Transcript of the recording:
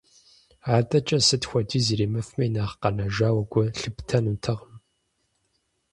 АдэкӀэ сыт хуэдиз иримыфми, нэхъ къэжанауэ гу лъыптэнутэкъым.